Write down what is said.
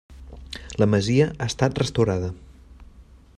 La masia ha estat restaurada.